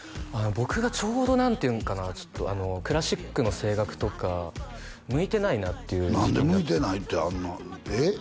僕がちょうど何ていうんかなちょっとクラシックの声楽とか向いてないなっていう何で向いてないってあんなえっ？